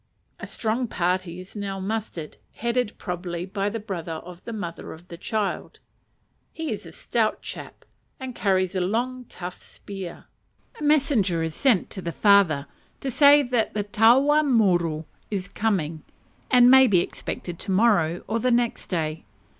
A strong party is now mustered, headed probably by the brother of the mother of the child. He is a stout chap, and carries a long tough spear. A messenger is sent to the father, to say that the taua muru is coming, and may be expected tomorrow, or the next day.